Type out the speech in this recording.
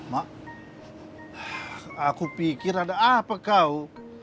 mak aku pikir ada apa kau